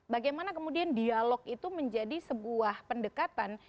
bagaimana kemudian dialog itu menjadi sebuah pendekatan